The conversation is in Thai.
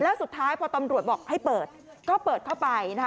แล้วสุดท้ายพอตำรวจบอกให้เปิดก็เปิดเข้าไปนะคะ